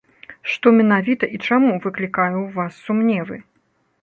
Што менавіта і чаму выклікае ў вас сумневы?